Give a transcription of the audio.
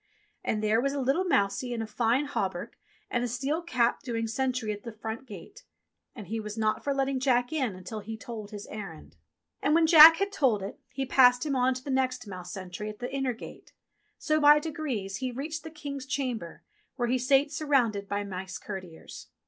And there was a little mousie in a fine hauberk and a steel cap doing sentry at the front gate, and he was not for letting Jack in until he had told his errand. And 46 ENGLISH FAIRY TALES when Jack had told it, he passed him on to the next mouse sentry at the inner gate ; so by degrees he reached the King's chamber where he sate surrounded by mice courtiers.